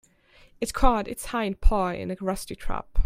It caught its hind paw in a rusty trap.